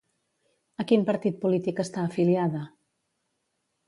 A quin partit polític està afiliada?